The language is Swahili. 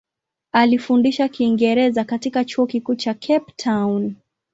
Alifundisha Kiingereza katika Chuo Kikuu cha Cape Town.